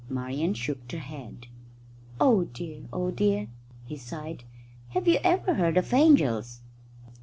Marian shook her head. "Oh dear, oh dear!" he sighed. "Have you ever heard of angels?"